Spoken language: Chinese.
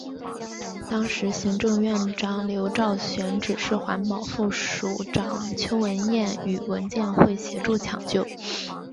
当时行政院长刘兆玄指示环保署副署长邱文彦与文建会协助抢救。